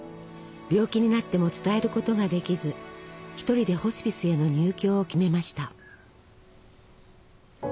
病気になっても伝えることができず一人でホスピスへの入居を決めました。